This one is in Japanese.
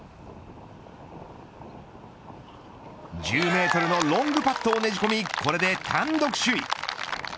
１０メートルのロングパットをねじ込みこれで単独首位。